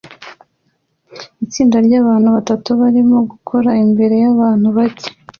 Itsinda ryabantu batatu barimo gukora imbere yabantu bake